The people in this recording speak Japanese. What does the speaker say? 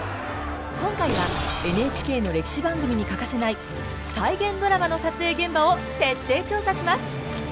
今回はＮＨＫの歴史番組に欠かせない再現ドラマの撮影現場を徹底調査します！